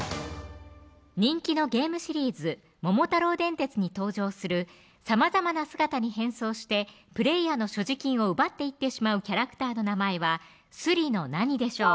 人気のゲームシリーズ「桃太郎電鉄」に登場するさまざまな姿に変装してプレーヤーの所持金を奪っていってしまうキャラクターの名前は「スリの何」でしょう